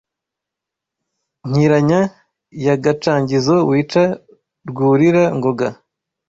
Nkiranya ya Gacanzigo Wica Rwurira-ngoga